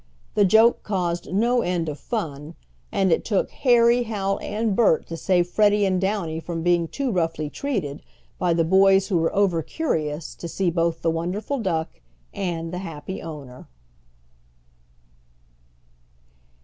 The joke caused no end of fun, and it took Harry, Hal, and Bert to save Freddie and Downy from being too roughly treated, by the boys who were over curious to see both the wonderful duck and the happy owner.